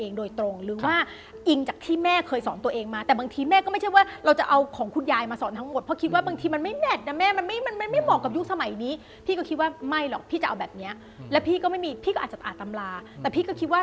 ก็คืออย่างนี้มันจะเป็นอะไรอย่างนี้มากกว่า